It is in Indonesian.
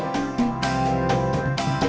di depan rumah saya